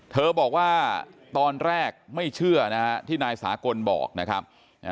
เธอบอกว่าตอนแรกไม่เชื่อนะฮะที่นายสากลบอกนะครับ